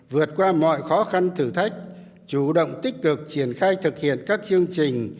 vượt qua mọi khó khăn thử thách chủ động tích cực triển khai thực hiện các chương trình